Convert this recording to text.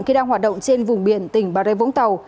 khi đang hoạt động trên vùng biển tỉnh bà rê vũng tàu